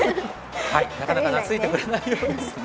なかなか懐いてくれないようですね。